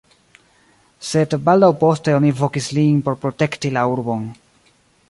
Sed baldaŭ poste oni vokis lin por protekti la urbon.